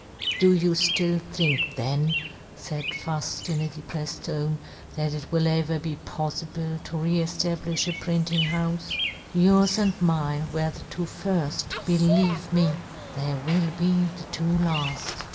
" Do you ftill think then," faid Fuft, in a deprefled tone, " that it " will ever be poflible to re eftablifh " a printing houfe ? Yours and mine " were the two firft, believe me, they " will be the two laft.